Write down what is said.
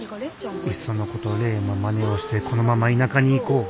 いっそのこと玲のまねをしてこのまま田舎に行こう。